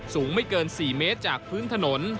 สูงไม่เกิน๔เมตรจากพื้นถนน